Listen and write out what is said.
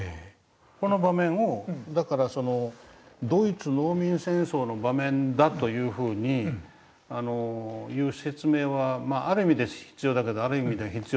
この場面をだからドイツ農民戦争の場面だというふうにいう説明はまあある意味で必要だけどある意味では必要なくて。